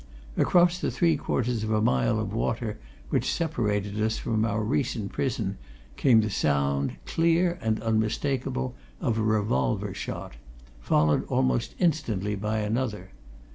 Across the three quarters of a mile of water which separated us from our recent prison came the sound, clear and unmistakable, of a revolver shot, followed almost instantly by another.